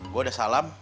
gue udah salam